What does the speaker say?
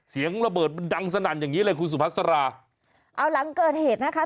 เสียงระเบิดมันดังสนั่นอย่างงี้เลยคุณสุพัสราเอาหลังเกิดเหตุนะคะ